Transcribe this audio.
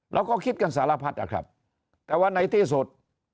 เราก็คิดกันสารพัดนะครับแต่ว่าในที่สุด